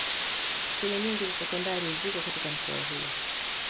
Shule nyingi za sekondari ziko katika mkoa huu